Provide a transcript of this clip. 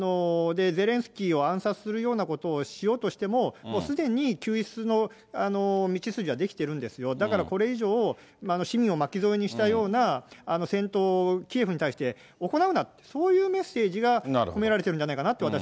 ゼレンスキーを暗殺するようなことをしようとしても、もうすでに救出の道筋は出来てるんですよ、だからこれ以上、市民を巻き添えにしたような戦闘をキエフに対して行うなと、そういうメッセージが込められてるんじゃないかなって